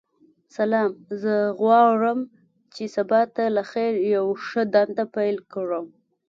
سلام ،زه غواړم چی سبا ته لخیر یوه ښه دنده پیل کړم.